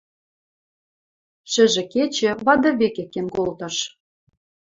Шӹжӹ кечӹ вады векӹ кен колтыш.